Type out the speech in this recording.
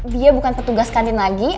dia bukan petugas kandin lagi